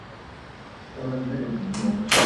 Quadra is also the Portuguese term for sports court.